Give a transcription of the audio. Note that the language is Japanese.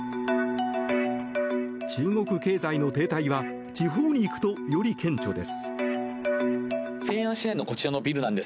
中国経済の停滞は地方に行くと、より顕著です。